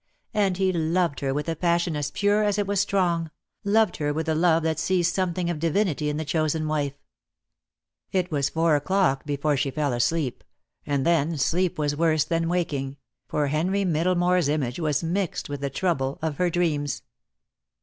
And he loved her with a passion as pure as it was strong, loved her with the love that sees something of divinity in the chosen wife. It was four o'clock before she fell asleep, and then sleep was worse than waking, for Henry Middlemore's image was mixed with the trouble of her dreams.